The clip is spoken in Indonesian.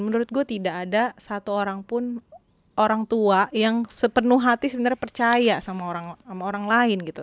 menurut gue tidak ada satu orang pun orang tua yang sepenuh hati sebenarnya percaya sama orang lain gitu